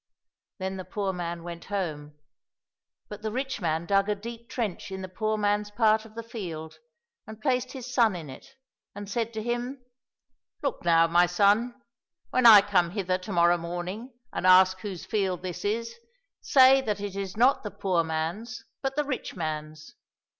Then the poor man went home. But the rich man dug a deep trench in the poor man's part of the field and placed his son in it, and said to him, " Look now, my son ; when I come hither to morrow morning and ask whose field this is, say that it is not the poor man's, but the rich man's."